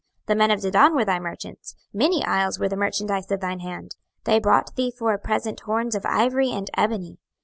26:027:015 The men of Dedan were thy merchants; many isles were the merchandise of thine hand: they brought thee for a present horns of ivory and ebony.